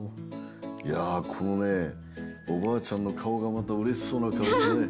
いやこのねおばあちゃんのかおがまたうれしそうなかおでねえ。